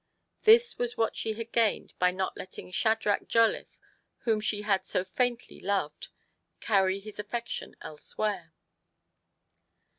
This was what she had gained by not letting Shad rach Jolliffe, whom she had so faintly loved, carry his affection elsewhere.